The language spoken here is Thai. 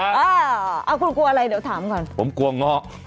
ครับคุณกลัวอะไรเดี๋ยวถามก่อน